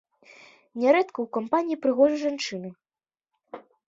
Нярэдка ў кампаніі прыгожай жанчыны.